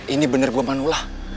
ini bener gua manullah